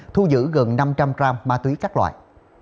thu giữ gần năm trăm linh gram ma túy các loại